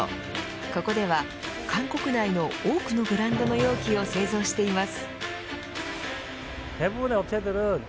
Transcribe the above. ここでは、韓国内の多くのブランドの容器を製造しています。